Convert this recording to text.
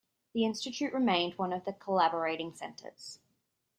The Institute remained one of the collaborating centers.